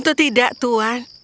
tentu tidak tuan